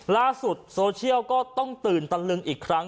ล่าสุดโซเชียลก็ต้องตื่นตะลึงอีกครั้ง